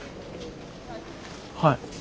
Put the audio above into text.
はい。